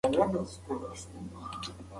هانس کوېنیګزمان پخوانی مدیر و.